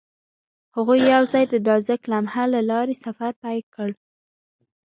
هغوی یوځای د نازک لمحه له لارې سفر پیل کړ.